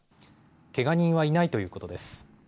けが人はいないということです。